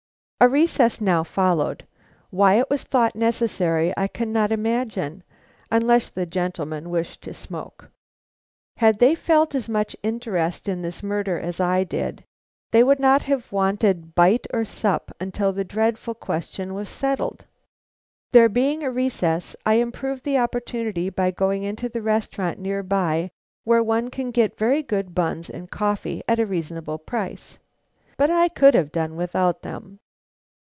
A recess now followed. Why it was thought necessary, I cannot imagine, unless the gentlemen wished to smoke. Had they felt as much interest in this murder as I did, they would not have wanted bite or sup till the dreadful question was settled. There being a recess, I improved the opportunity by going into a restaurant near by where one can get very good buns and coffee at a reasonable price. But I could have done without them.